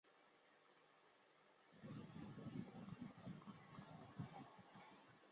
廉江青年抗敌同志会旧址的历史年代为抗日战争时期。